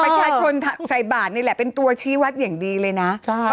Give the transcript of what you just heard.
ประชาชนใส่บาทนี่แหละเป็นตัวชี้วัดอย่างดีเลยนะ